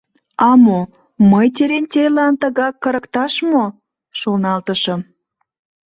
«А мо, мый Терентейлан тыгак кырыкташ мо?» — шоналтышым.